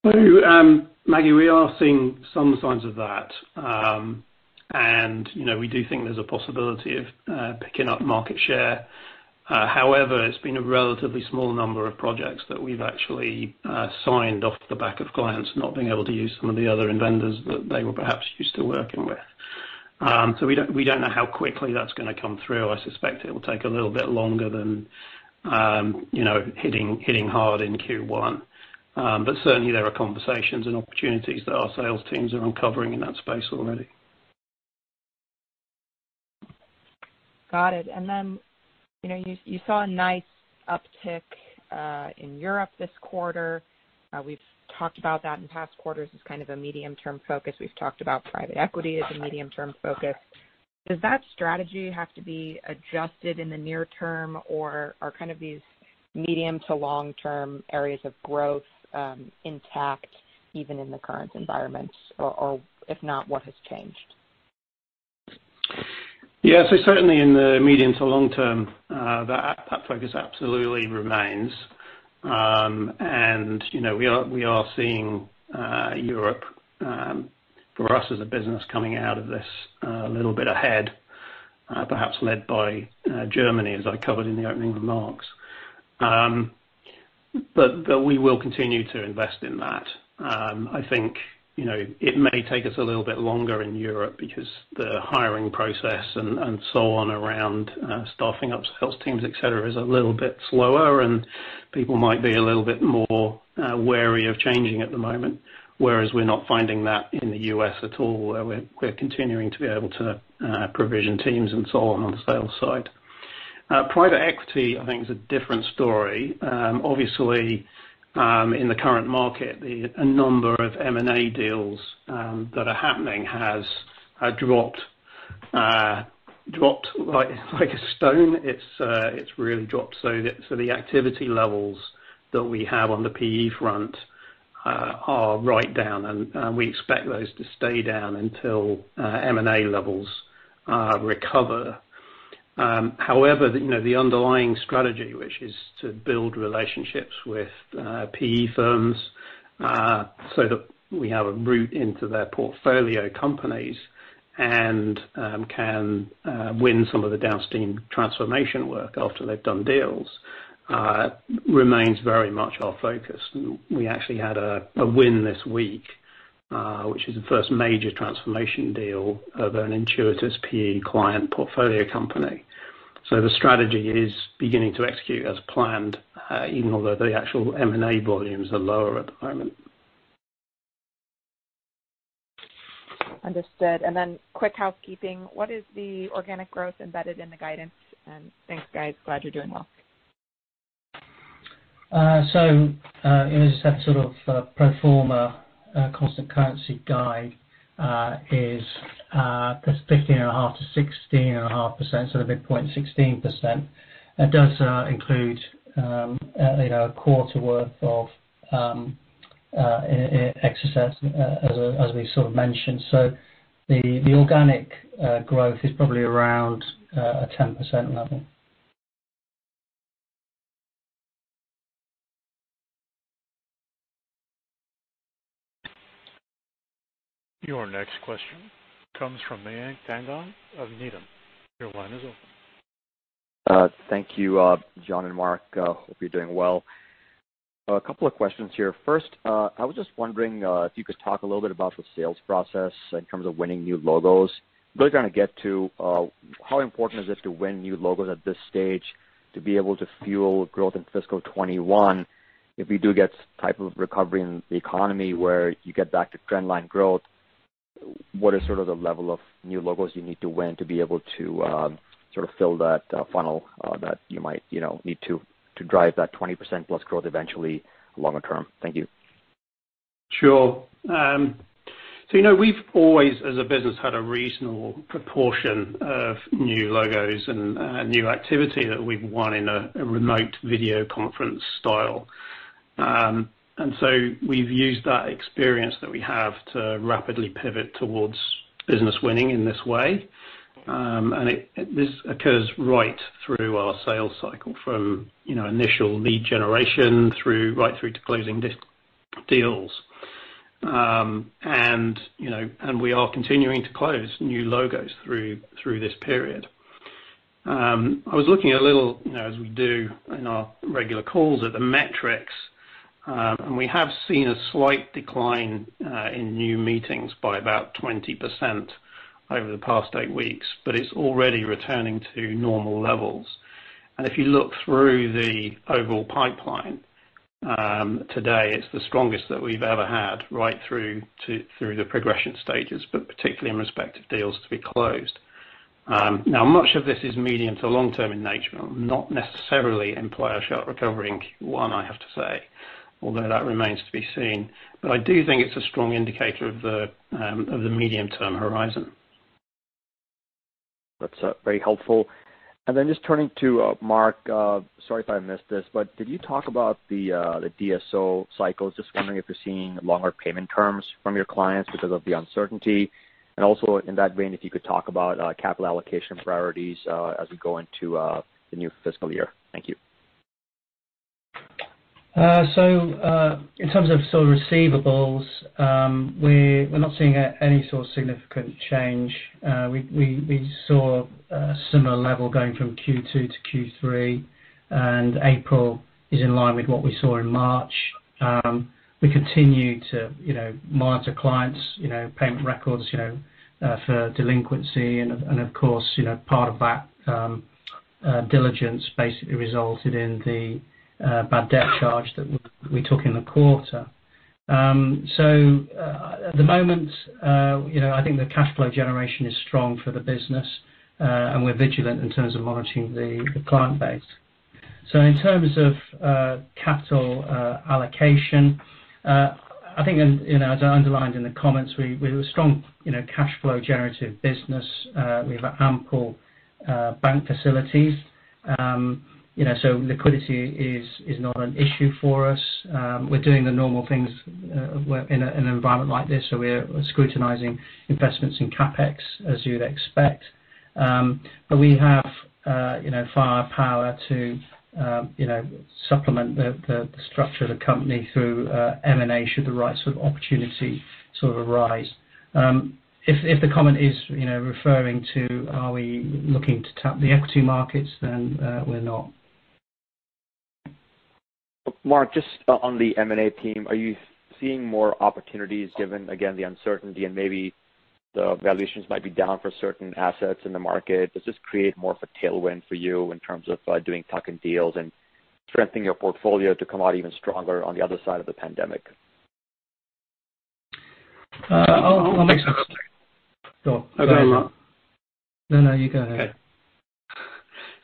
Maggie, we are seeing some signs of that. We do think there's a possibility of picking up market share. However, it's been a relatively small number of projects that we've actually signed off the back of clients not being able to use some of the other vendors that they were perhaps used to working with. We don't know how quickly that's going to come through. I suspect it will take a little bit longer than hitting hard in Q1. Certainly there are conversations and opportunities that our sales teams are uncovering in that space already. Got it. You saw a nice uptick in Europe this quarter. We've talked about that in past quarters as kind of a medium-term focus. We've talked about private equity as a medium-term focus. Does that strategy have to be adjusted in the near term, or are these medium to long-term areas of growth intact even in the current environment? If not, what has changed? Yeah. Certainly in the medium to long term, that focus absolutely remains. We are seeing Europe, for us as a business, coming out of this a little bit ahead. Perhaps led by Germany, as I covered in the opening remarks. We will continue to invest in that. I think it may take us a little bit longer in Europe because the hiring process and so on around staffing up sales teams, et cetera, is a little bit slower and people might be a little bit more wary of changing at the moment, whereas we're not finding that in the U.S. at all, where we're continuing to be able to provision teams and so on the sales side. Private equity, I think, is a different story. Obviously, in the current market, the number of M&A deals that are happening has dropped like a stone. It's really dropped. The activity levels that we have on the PE front are right down, and we expect those to stay down until M&A levels recover. However, the underlying strategy, which is to build relationships with PE firms so that we have a route into their portfolio companies and can win some of the downstream transformation work after they've done deals, remains very much our focus. We actually had a win this week, which is the first major transformation deal of an Intuitus PE client portfolio company. The strategy is beginning to execute as planned, even although the actual M&A volumes are lower at the moment. Quick housekeeping. What is the organic growth embedded in the guidance? Thanks, guys. Glad you're doing well. In a sense, sort of pro forma constant currency guide is 15.5%-16.5%, so the midpoint 16%. It does include a quarter worth of Exozet, as we mentioned. The organic growth is probably around a 10% level. Your next question comes from Mayank Tandon of Needham. Your line is open. Thank you, John and Mark. Hope you're doing well. A couple of questions here. First, I was just wondering if you could talk a little bit about the sales process in terms of winning new logos. Really trying to get to how important is it to win new logos at this stage to be able to fuel growth in fiscal 2021 if we do get type of recovery in the economy where you get back to trend line growth, what is sort of the level of new logos you need to win to be able to sort of fill that funnel that you might need to drive that 20%+ growth eventually longer term? Thank you. Sure. You know, we've always, as a business, had a reasonable proportion of new logos and new activity that we've won in a remote video conference style. We've used that experience that we have to rapidly pivot towards business winning in this way. This occurs right through our sales cycle from initial lead generation right through to closing deals. We are continuing to close new logos through this period. I was looking a little, as we do in our regular calls, at the metrics, and we have seen a slight decline in new meetings by about 20% over the past eight weeks, but it's already returning to normal levels. If you look through the overall pipeline today, it's the strongest that we've ever had right through the progression stages, but particularly in respect of deals to be closed. Much of this is medium to long-term in nature, not necessarily a sharp recovery in Q1, I have to say, although that remains to be seen. I do think it's a strong indicator of the medium-term horizon. That's very helpful. Just turning to Mark, sorry if I missed this, did you talk about the DSO cycles? Just wondering if you're seeing longer payment terms from your clients because of the uncertainty. Also, in that vein, if you could talk about capital allocation priorities as we go into the new fiscal year. Thank you. In terms of sort of receivables, we're not seeing any sort of significant change. We saw a similar level going from Q2 to Q3. April is in line with what we saw in March. We continue to monitor clients' payment records for delinquency. Of course, part of that diligence basically resulted in the bad debt charge that we took in the quarter. At the moment, I think the cash flow generation is strong for the business and we're vigilant in terms of monitoring the client base. In terms of capital allocation, I think as I underlined in the comments, we're a strong cash flow generative business. We've ample bank facilities. Liquidity is not an issue for us. We're doing the normal things in an environment like this. We're scrutinizing investments in CapEx, as you'd expect. We have firepower to supplement the structure of the company through M&A should the right sort of opportunity sort of arise. If the comment is referring to are we looking to tap the equity markets, we're not. Mark, just on the M&A team, are you seeing more opportunities given, again, the uncertainty and maybe the valuations might be down for certain assets in the market? Does this create more of a tailwind for you in terms of doing tuck-in deals and strengthening your portfolio to come out even stronger on the other side of the pandemic? I'll make start with that. Go on. Okay. No, you go ahead.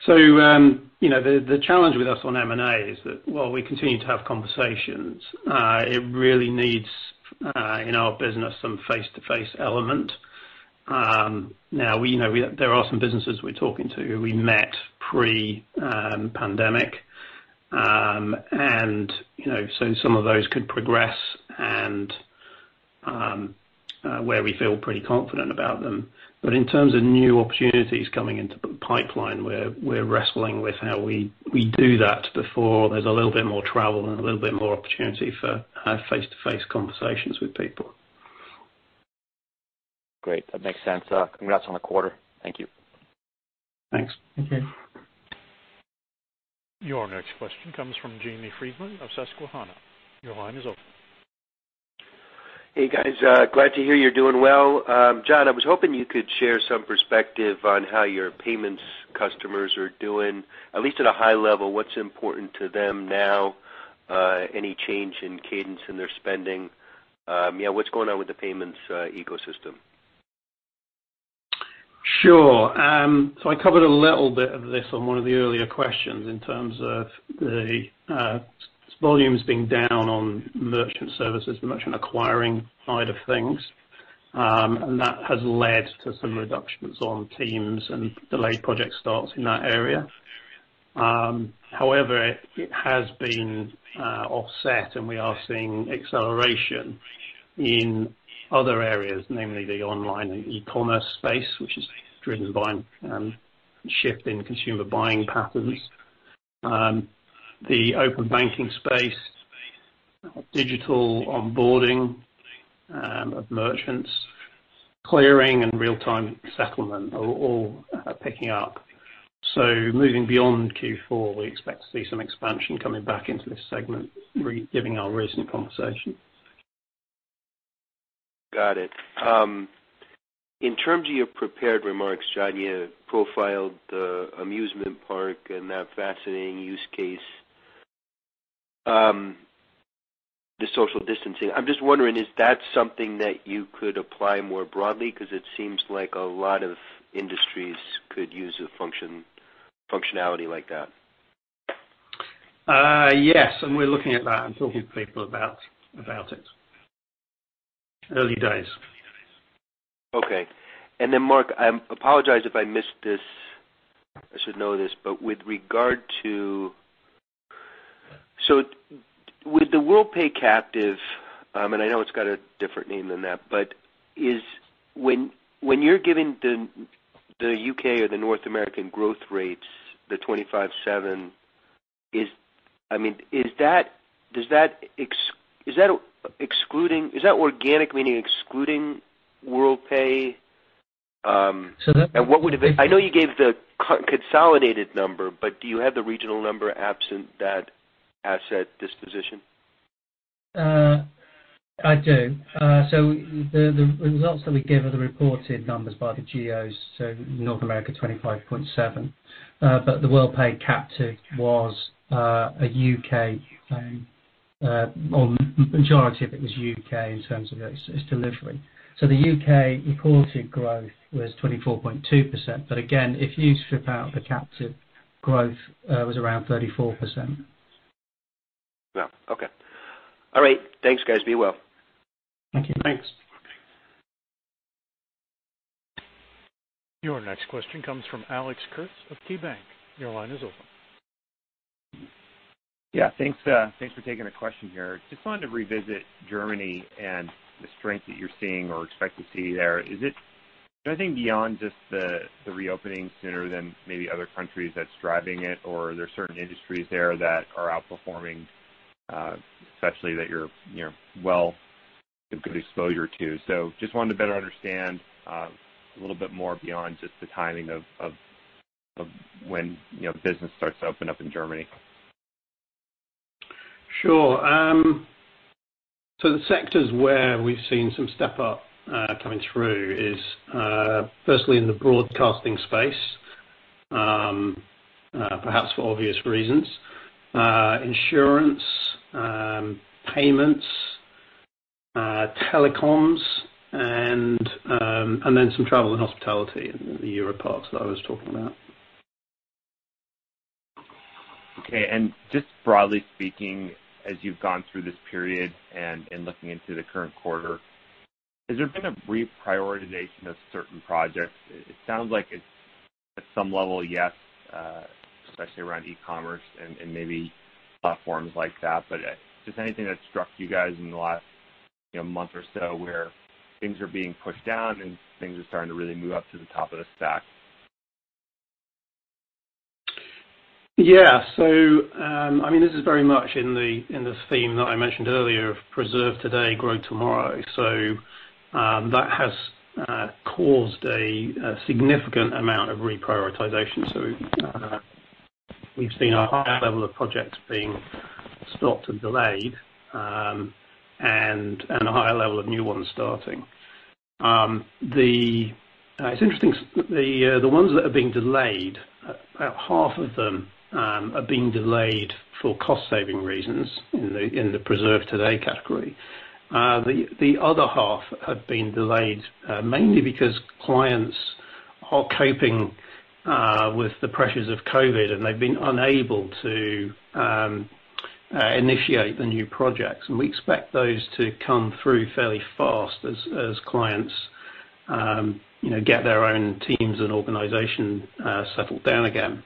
Okay. The challenge with us on M&A is that while we continue to have conversations, it really needs, in our business, some face-to-face element. Now, there are some businesses we're talking to who we met pre-pandemic. Some of those could progress and where we feel pretty confident about them. In terms of new opportunities coming into the pipeline, we're wrestling with how we do that before there's a little bit more travel and a little bit more opportunity to have face-to-face conversations with people. Great. That makes sense. Congrats on the quarter. Thank you. Thanks. Thank you. Your next question comes from Jamie Friedman of Susquehanna. Your line is open. Hey, guys. Glad to hear you're doing well. John, I was hoping you could share some perspective on how your payments customers are doing, at least at a high level. What's important to them now? Any change in cadence in their spending? What's going on with the payments ecosystem? Sure. I covered a little bit of this on one of the earlier questions in terms of the volumes being down on merchant services, the merchant acquiring side of things. That has led to some reductions on teams and delayed project starts in that area. However, it has been offset, and we are seeing acceleration in other areas, namely the online and e-commerce space, which is driven by a shift in consumer buying patterns. The open banking space, digital onboarding of merchants, clearing and real-time settlement are all picking up. Moving beyond Q4, we expect to see some expansion coming back into this segment, given our recent conversation. Got it. In terms of your prepared remarks, John, you profiled the amusement park and that fascinating use case, the social distancing. I'm just wondering, is that something that you could apply more broadly? It seems like a lot of industries could use a functionality like that. Yes, we're looking at that and talking to people about it. Early days. Okay. Mark, I apologize if I missed this. I should know this, with regard to the Worldpay captive, and I know it's got a different name than that, when you're giving the U.K. or the North American growth rates, the 25.7%, is that organic, meaning excluding Worldpay? So that- I know you gave the consolidated number, but do you have the regional number absent that asset disposition? I do. The results that we give are the reported numbers by the geos, North America, 25.7%. The Worldpay captive was a U.K., or majority of it was U.K. in terms of its delivery. The U.K. reported growth was 24.2%, but again, if you strip out the captive, growth was around 34%. Yeah. Okay. All right. Thanks, guys. Be well. Thank you. Thanks. Your next question comes from Alex Kurtz of KeyBanc. Your line is open. Yeah. Thanks for taking a question here. Just wanted to revisit Germany and the strength that you're seeing or expect to see there. Is there anything beyond just the reopening sooner than maybe other countries that's driving it? Are there certain industries there that are outperforming, especially that you're well with good exposure to? Just wanted to better understand a little bit more beyond just the timing of when business starts to open up in Germany. Sure. The sectors where we've seen some step-up coming through is firstly in the broadcasting space, perhaps for obvious reasons. Insurance, payments, telecoms, and then some travel and hospitality in the Europa-Park that I was talking about. Okay. Just broadly speaking, as you've gone through this period and looking into the current quarter, has there been a reprioritization of certain projects? It sounds like it's at some level, yes, especially around e-commerce and maybe platforms like that. Just anything that struck you guys in the last month or so where things are being pushed down and things are starting to really move up to the top of the stack? Yeah. This is very much in the theme that I mentioned earlier of preserve today, grow tomorrow. We've seen a high level of projects being stopped and delayed, and a higher level of new ones starting. It's interesting, the ones that are being delayed, about half of them are being delayed for cost-saving reasons in the preserve today category. The other half have been delayed mainly because clients are coping with the pressures of COVID-19, and they've been unable to initiate the new projects. We expect those to come through fairly fast as clients get their own teams and organization settled down again.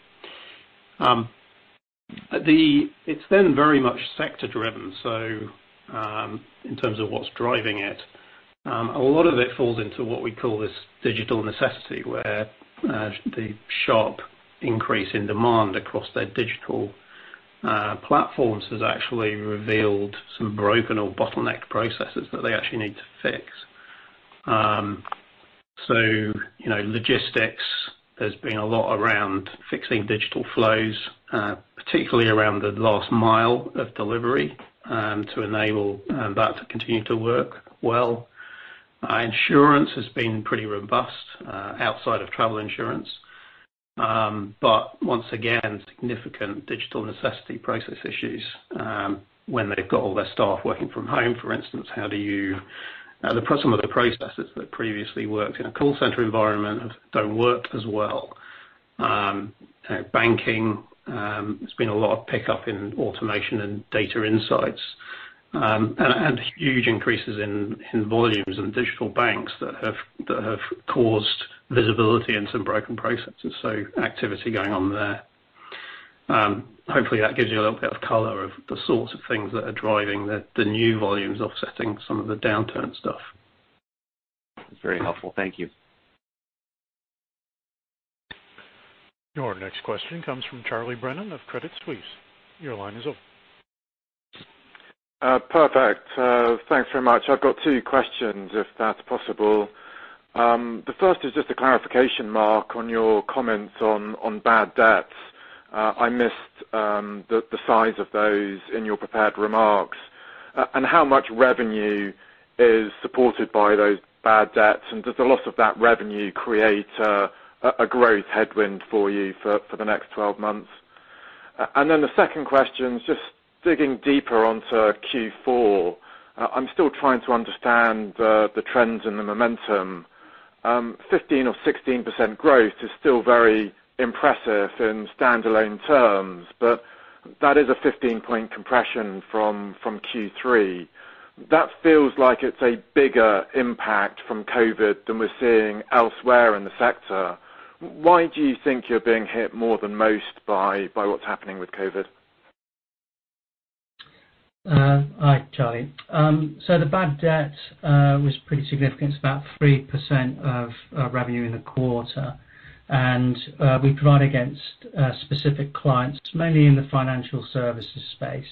It's very much sector-driven, in terms of what's driving it, a lot of it falls into what we call this digital necessity, where the sharp increase in demand across their digital platforms has actually revealed some broken or bottleneck processes that they actually need to fix. Logistics, there's been a lot around fixing digital flows, particularly around the last mile of delivery, to enable that to continue to work well. Insurance has been pretty robust outside of travel insurance. Once again, significant digital necessity process issues. When they've got all their staff working from home, for instance, some of the processes that previously worked in a call center environment don't work as well. Banking, there's been a lot of pickup in automation and data insights, and huge increases in volumes in digital banks that have caused visibility into broken processes. Activity going on there. Hopefully, that gives you a little bit of color of the sorts of things that are driving the new volumes offsetting some of the downturn stuff. Very helpful. Thank you. Your next question comes from Charlie Brennan of Credit Suisse. Your line is open. Perfect. Thanks very much. I've got two questions, if that's possible. The first is just a clarification, Mark, on your comments on bad debts. I missed the size of those in your prepared remarks. How much revenue is supported by those bad debts, and does the loss of that revenue create a growth headwind for you for the next 12 months? The second question is just digging deeper onto Q4. I'm still trying to understand the trends and the momentum. 15% or 16% growth is still very impressive in standalone terms, but that is a 15-point compression from Q3. That feels like it's a bigger impact from COVID than we're seeing elsewhere in the sector. Why do you think you're being hit more than most by what's happening with COVID? Hi, Charlie. The bad debt was pretty significant. It's about 3% of revenue in the quarter. We provide against specific clients, mainly in the financial services space.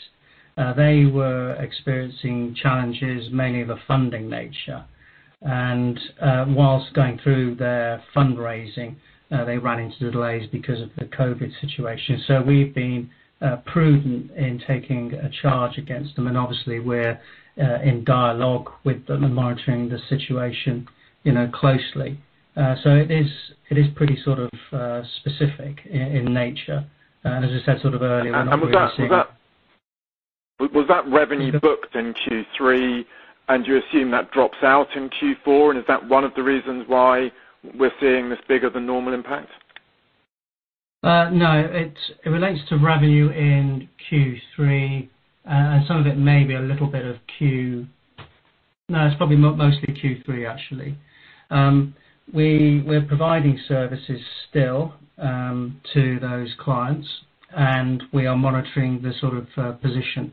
They were experiencing challenges mainly of a funding nature. Whilst going through their fundraising, they ran into delays because of the COVID situation. We've been prudent in taking a charge against them. Obviously, we're in dialogue with them and monitoring the situation closely. It is pretty specific in nature. Was that revenue booked in Q3, and do you assume that drops out in Q4, and is that one of the reasons why we're seeing this bigger than normal impact? It relates to revenue in Q3, and No, it's probably mostly Q3, actually. We're providing services still to those clients, and we are monitoring the position.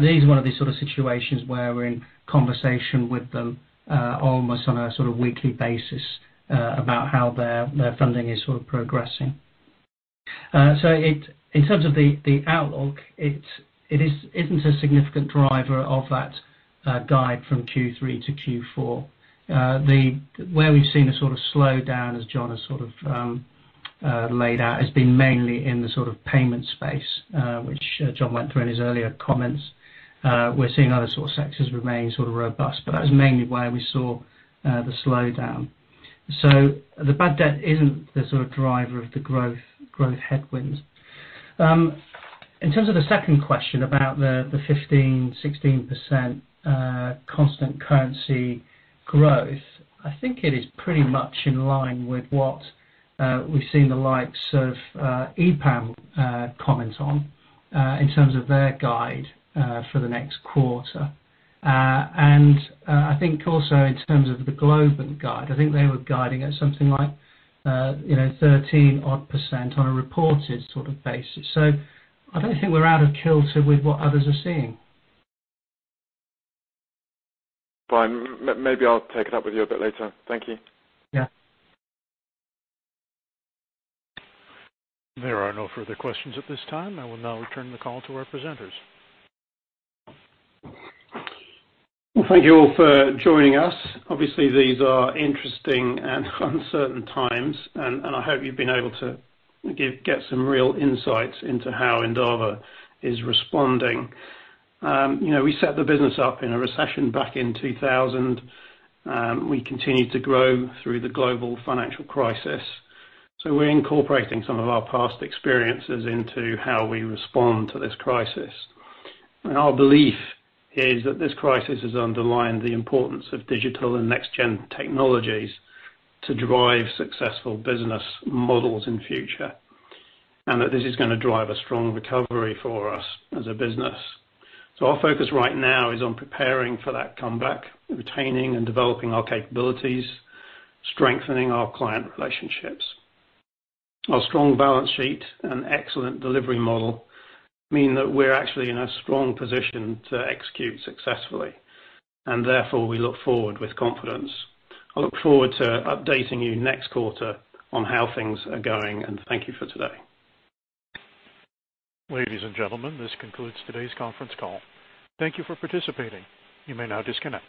This is one of these sort of situations where we're in conversation with them almost on a weekly basis about how their funding is progressing. In terms of the outlook, it isn't a significant driver of that guide from Q3 to Q4. Where we've seen a slowdown, as John has laid out, has been mainly in the payment space, which John went through in his earlier comments. We're seeing other sectors remain robust, but that is mainly where we saw the slowdown. The bad debt isn't the driver of the growth headwinds. In terms of the second question about the 15%, 16% constant currency growth, I think it is pretty much in line with what we've seen the likes of EPAM comment on in terms of their guide for the next quarter. I think also in terms of the Globant guide, I think they were guiding at something like 13 odd % on a reported basis. I don't think we're out of kilter with what others are seeing. Fine. Maybe I'll take it up with you a bit later. Thank you. Yeah. There are no further questions at this time. I will now return the call to our presenters. Well, thank you all for joining us. Obviously, these are interesting and uncertain times, and I hope you've been able to get some real insights into how Endava is responding. We set the business up in a recession back in 2000. We continued to grow through the global financial crisis. We're incorporating some of our past experiences into how we respond to this crisis. Our belief is that this crisis has underlined the importance of digital and next-gen technologies to drive successful business models in future, and that this is going to drive a strong recovery for us as a business. Our focus right now is on preparing for that comeback, retaining and developing our capabilities, strengthening our client relationships. Our strong balance sheet and excellent delivery model mean that we're actually in a strong position to execute successfully, and therefore, we look forward with confidence. I look forward to updating you next quarter on how things are going, and thank you for today. Ladies and gentlemen, this concludes today's conference call. Thank you for participating. You may now disconnect.